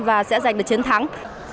và sẽ giành được chiến thắng